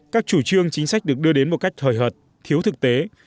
các chủ trương chính sách được đưa đến một cách hời hợt thiếu thực tế